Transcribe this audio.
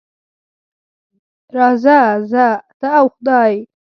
راځه زه، ته او خدای.